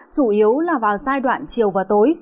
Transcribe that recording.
chủ yếu là vào giai đoạn chiều và tối